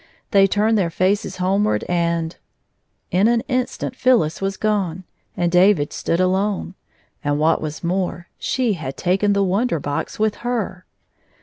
They turned their faces homeward, and — In an instant PhyUis was gone, and David stood alone, and what was more, she had taken the Wonder Box with her.